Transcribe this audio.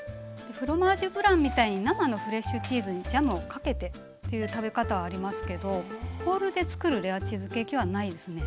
フロマージュブランみたいに生のフレッシュチーズにジャムをかけてという食べ方はありますけどホールで作るレアチーズケーキはないですね。